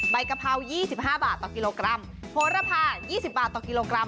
ใบกะเพรายี่สิบห้าบาทต่อกิโลกรัมโพรภายี่สิบบาทต่อกิโลกรัม